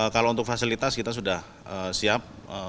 kalau untuk fasilitas kita sudah siap